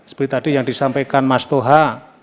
seperti tadi yang disampaikan mas toha